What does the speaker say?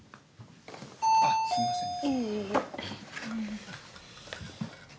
あっすいません。